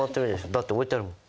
だって置いてあるもん。